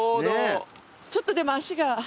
ちょっとでも足が。